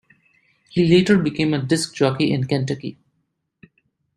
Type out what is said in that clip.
He later became a disc jockey in Kentucky.